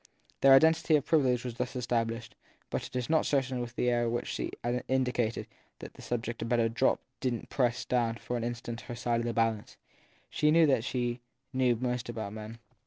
Their identity of privilege was thus established, but it is not certain that the air with which she indicated that the subject had better drop didn t press down for an instant her side of the balance. She knew that she knew most about men.